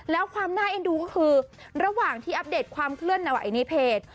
แล้วความน่าเอ็นดูก็คือระหว่างที่อัปเดตความเคลื่อนไหวในเพจ